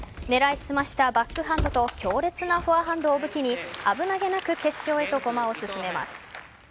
狙い澄ましたバックハンドと強烈なフォアハンドを武器に危なげなく決勝へと駒を進めます。